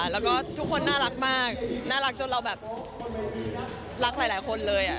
แล้วก็ทุกคนน่ารักมากน่ารักจนเราแบบรักหลายคนเลย